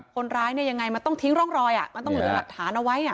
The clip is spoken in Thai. คนร้ายเนี่ยยังไงมันต้องทิ้งร่องรอยมันต้องเหลือหลักฐานเอาไว้